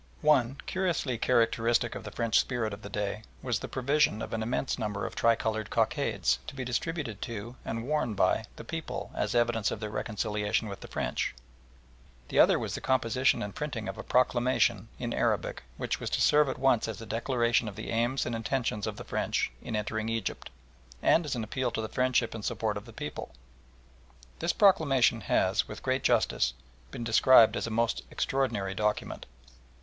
One, curiously characteristic of the French spirit of the day, was the provision of an immense number of tricoloured cockades to be distributed to, and worn by, the people as evidence of their reconciliation with the French; the other was the composition and printing of a proclamation in Arabic which was to serve at once as a declaration of the aims and intentions of the French in entering Egypt and as an appeal to the friendship and support of the people. This proclamation has, with great justice, been described as a most extraordinary document.